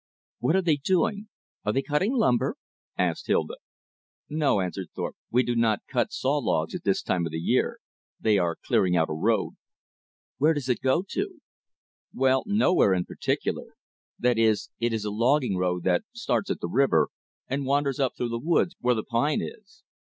"What are they doing? Are they cutting lumber?" asked Hilda. "No," answered Thorpe, "we do not cut saw logs at this time of year. They are clearing out a road." "Where does it go to?" "Well, nowhere in particular. That is, it is a logging road that starts at the river and wanders up through the woods where the pine is."